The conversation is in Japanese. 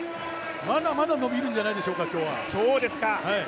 まだまだ伸びるんじゃないでしょうか、今日は。